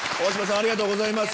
ありがとうございます。